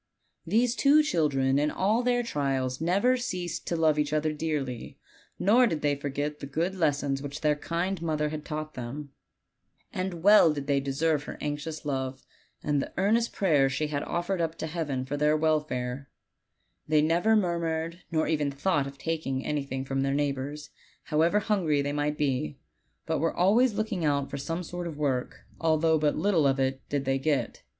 These two children in all their trials never ceased to love each other dearly, nor did they forget the good les gons which their kind mother had taught them. And 2 OLD, OLD FAIRY TALES. well did they deserve her anxious love, and the earnest prayers she had offered up to Heaven for their welfare. They never murmured, nor ever thought of taking any thing from their neighbors, however hungry they might be, but were always looking out for some sort of work, although but little of that did they get.